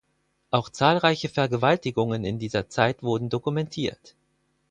Auch zahlreiche Vergewaltigungen in dieser Zeit wurden dokumentiert.